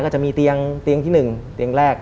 จะมีเตียงที่๑เตียงแรก